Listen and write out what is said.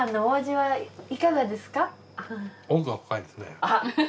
はい。